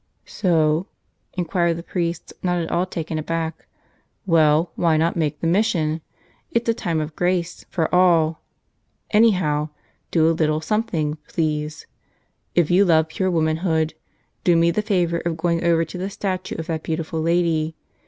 "So?" inquired the priest, not at all taken aback. "Well, why not make the mission? It's a time of grace T U A 6 59 " Tell Us Another! for all. Anyhow, do a little something, please. If you love pure womanhood, do me the favor of going over to the statue of that beautiful lady.